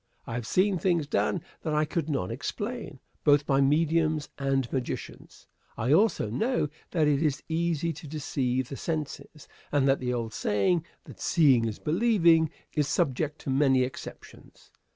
I have seen things done that I could not explain, both by mediums and magicians. I also know that it is easy to deceive the senses, and that the old saying "that seeing is believing" is subject to many exceptions.